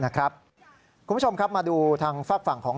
คุณผู้ชมครับมาดูทางฝากฝั่งของ